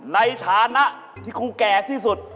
ในฐานะที่ครูแก่ที่สุด